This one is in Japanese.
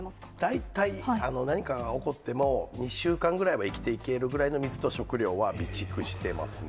大体何かが起こっても、２週間ぐらいは生きていけるぐらいの水と食料は備蓄してますね。